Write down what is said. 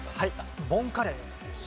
ボンカレー。